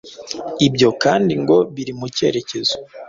Ibyo kandi ngo biri mu cyerekezo